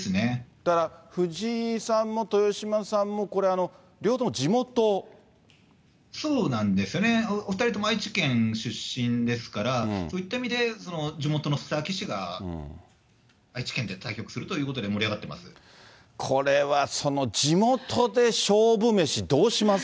だから藤井さんも豊島さんも、これ、そうなんですね、お２人とも愛知県出身ですから、そういった意味で地元のスター棋士が愛知県で対局するということこれは地元で勝負メシ、どうします？